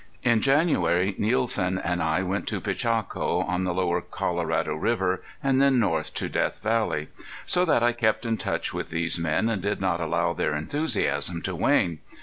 In January Nielsen and I went to Picacho, on the lower Colorado river, and then north to Death Valley. So that I kept in touch with these men and did not allow their enthusiasm to wane.